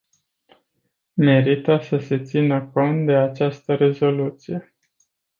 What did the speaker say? Merită să se țină cont de această rezoluție.